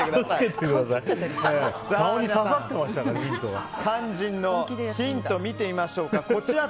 皆さん、肝心のヒントを見てみましょう。